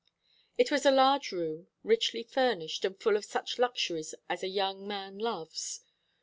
It was a large room, richly furnished, and full of such luxuries as a young man loves.